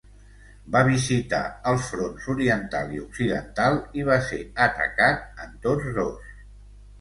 Va visitar els fronts oriental i occidental i va ser atacat en tots dos.